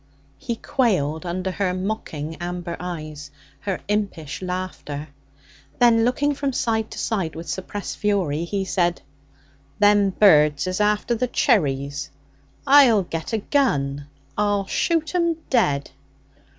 He quailed under her mocking amber eyes, her impish laughter. Then, looking from side to side with suppressed fury, he said: 'Them birds is after the cherries! I'll get a gun. I'll shoot 'em dead!'